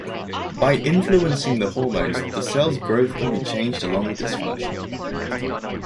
By influencing the hormones, the cells' growth can be changed along with its function.